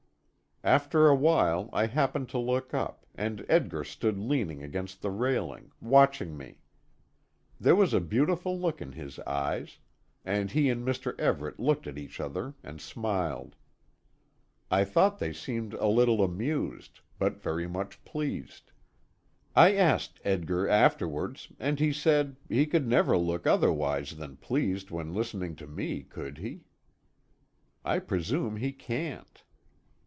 After a while I happened to look up, and Edgar stood leaning against the railing, watching me. There was a beautiful look in his eyes, and he and Mr. Everet looked at each other and smiled. I thought they seemed a little amused, but very much pleased. I asked Edgar afterwards, and he said, he could never look otherwise than pleased when listening to me, could he? I presume he can't.